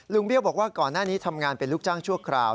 เบี้ยวบอกว่าก่อนหน้านี้ทำงานเป็นลูกจ้างชั่วคราว